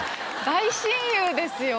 大親友ですよ